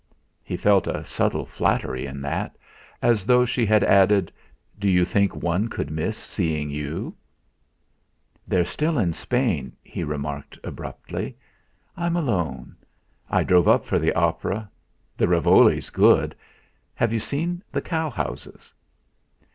He felt a subtle flattery in that, as though she had added: 'Do you think one could miss seeing you?' "They're all in Spain," he remarked abruptly. "I'm alone; I drove up for the opera. The Ravogli's good. Have you seen the cow houses?"